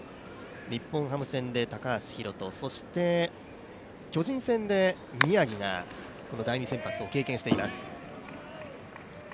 日本ハム戦で高橋宏斗、そして巨人戦で宮城がこの第２先発を経験しています。